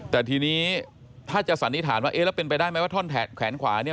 แต่ทีนี้ถ้าจะสันนิษฐานว่าเอ๊ะแล้วเป็นไปได้ไหมว่าท่อนแขนขวาเนี่ย